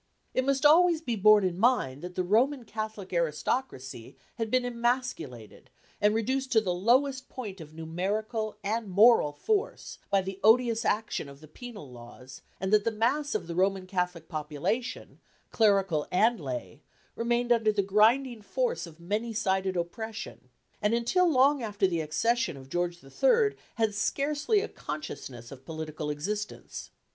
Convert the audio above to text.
It must always be borne in mind that the Roman Catholic aristocracy had been emasculated, and reduced to the lowest point of numerical and moral force by the odious action of the penal laws, and that the mass of the Roman Catholic population, clerical and lay, remained under the grinding force of many sided oppression, and until long after the accession of George III. had scarcely a consciousness of political existence.